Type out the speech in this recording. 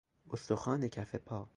استخوان کف پا